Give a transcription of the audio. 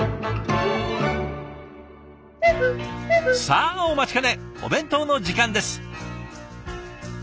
さあお待ちかねお弁当の時間です。